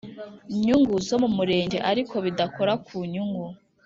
Nyungu zo mu murenge ariko bidakora ku nyungu